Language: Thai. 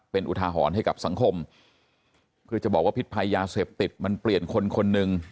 เป็นอุทาหรณ์ให้กับสังคมเพื่อจะบอกว่าพิษภัยยาเสพติดมันเปลี่ยนคนคนหนึ่ง